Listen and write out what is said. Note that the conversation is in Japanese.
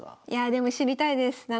いやあでも知りたいです。